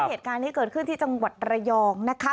เหตุการณ์นี้เกิดขึ้นที่จังหวัดระยองนะคะ